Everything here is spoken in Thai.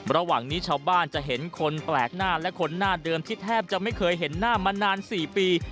ระหว่างนี้ชาวบ้านจะเห็นคนแปลกหน้าและคนหน้าเดิมที่แทบจะไม่เคยเห็นหน้ามานาน๔ปี